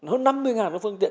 hơn năm mươi phương tiện